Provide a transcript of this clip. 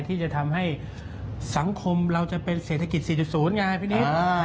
ที่จะทำให้สังคมเราจะเป็นเศรษฐกิจ๔๐ไงพี่นิด